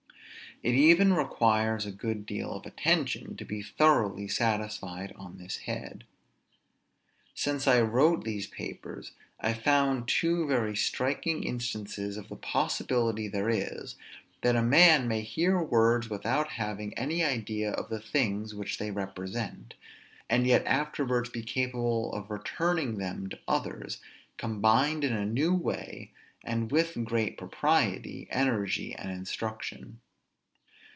It even requires a good deal of attention to be thoroughly satisfied on this head. Since I wrote these papers, I found two very striking instances of the possibility there is, that a man may hear words without having any idea of the things which they represent, and yet afterwards be capable of returning them to others, combined in a new way, and with great propriety, energy, and instruction.